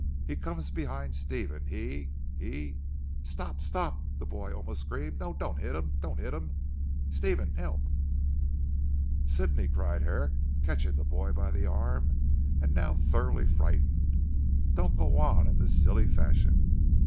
He comes behind Stephen he he stop! stop!" the boy almost screamed. "No! don't hit him! Do not hit him. Stephen! Help." "Sidney," cried Herrick, catching the boy by the arm and now thoroughly frightened "don't go on in this silly fashion."